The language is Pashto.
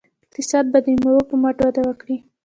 اقتصاد به د میوو په مټ وده وکړي.